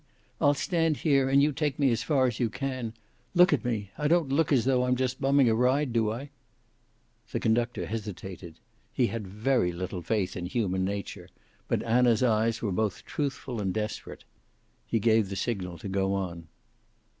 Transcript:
I'll stand here and you take me as far as you can. Look at me! I don't look as though I'm just bumming a ride, do I?" The conductor hesitated. He had very little faith in human nature, but Anna's eyes were both truthful and desperate. He gave the signal to go on.